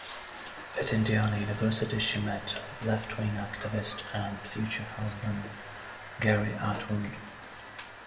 At Indiana University she met leftwing activist and future husband Gary Atwood.